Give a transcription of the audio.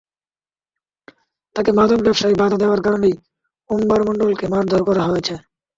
তাঁকে মাদক ব্যবসায় বাধা দেওয়ার কারণেই উম্বার মণ্ডলকে মারধর করা হয়েছে।